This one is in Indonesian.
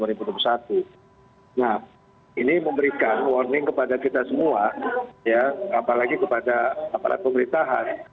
nah ini memberikan warning kepada kita semua ya apalagi kepada aparat pemerintahan